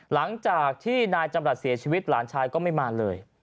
หลังจากที่นายจำรัฐเสียชีวิตหลานชายก็ไม่มาเลย